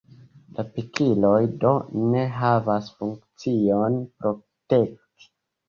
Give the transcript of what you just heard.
La pikiloj do ne havas funkcion protekti.